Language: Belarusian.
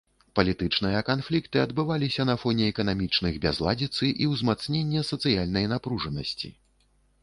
Палітычныя канфлікты адбываліся на фоне эканамічных бязладзіцы і ўзмацнення сацыяльнай напружанасці.